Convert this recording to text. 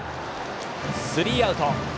スリーアウト。